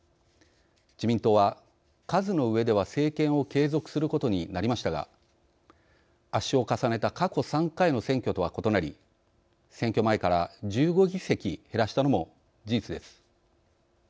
自民党は数の上では、政権を継続することになりましたが圧勝を重ねた過去３回の選挙とは異なり選挙前から１５議席減らしたのも事実です。